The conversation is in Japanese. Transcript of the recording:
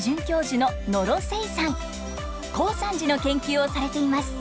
高山寺の研究をされています。